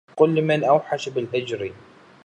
قل لمن أوحش بالهجر